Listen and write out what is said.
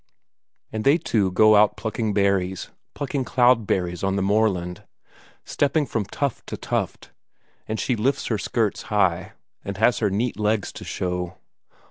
And they two go out plucking berries, plucking cloudberries on the moorland, stepping from tuft to tuft, and she lifts her skirts high, and has her neat legs to show.